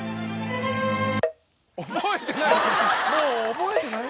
覚えてない！